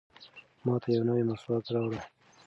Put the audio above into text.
ماته یو نوی مسواک راوړه.